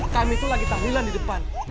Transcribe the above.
kami tuh lagi tanggilan di depan